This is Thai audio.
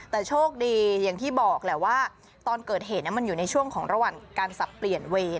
แต่โชคดีอย่างที่บอกแหละว่าตอนเกิดเหตุมันอยู่ในช่วงของระหว่างการสับเปลี่ยนเวร